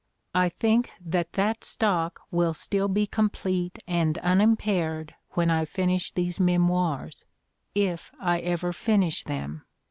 I think that that stock will still be complete and unimpaired when I finish these memoirs, if I ever finish them.